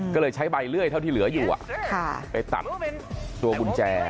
ก็เลยใช้ใบเลื่อยเท่าที่เหลืออยู่ไปตัดตัวกุญแจ